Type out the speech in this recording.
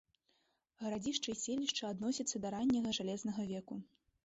Гарадзішча і селішча адносяцца да ранняга жалезнага веку.